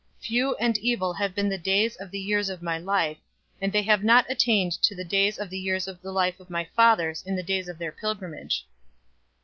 Few and evil have been the days of the years of my life, and they have not attained to the days of the years of the life of my fathers in the days of their pilgrimage."